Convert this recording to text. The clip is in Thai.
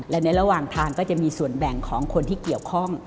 และในระหว่างทางก็จะมีส่วนแบ่งของคนที่เกี่ยวข้อง